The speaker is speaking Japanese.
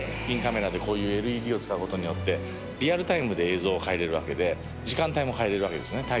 インカメラでこういうＬＥＤを使うことによってリアルタイムで映像を変えれるわけで時間帯も変えれるわけですね